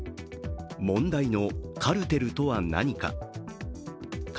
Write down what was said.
問題のカルテルとは何か。